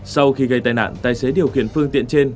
sau khi gây tai nạn tài xế điều khiển phương tiện trên